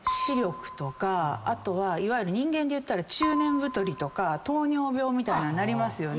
あとはいわゆる人間でいったら中年太りとか糖尿病みたいななりますよね。